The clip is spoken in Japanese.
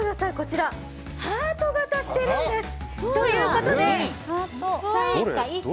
ハート形しているんです。ということで、酒井！